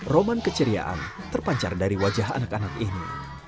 roman keceriaan terpancar dari wajah anak anak ini